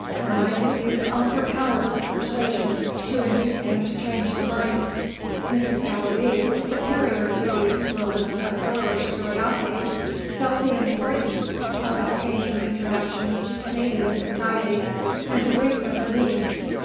Carmina used all her powers of persuasion to induce him to change his mind. Mrs. Gallilee (superior to the influence of girlish curiosity) felt the importance of obtaining introductions to Canadian society, and agreed with her niece.